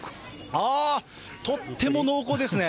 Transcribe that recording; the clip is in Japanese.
あー、とっても濃厚ですね。